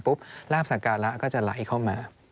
ปุ๊บราบศักระก็จะไหลเข้ามา